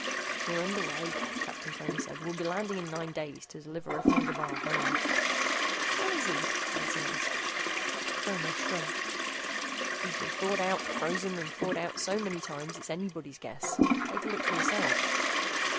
"We're underway," Captain Fromer said. "We'll be landing in nine days to deliver R'thagna Bar home." "How is he?" Hansen asked. Fromer shrugged. "He's been thawed out, frozen, and thawed out so many times, it's anybody's guess. Take a look for yourself."